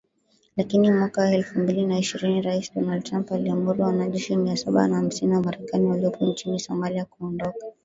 Lakini mwaka elfu mbili na ishirini, Rais Donald Trump aliamuru wanajeshi mia saba na hamsini wa Marekani waliopo nchini Somalia kuondoka.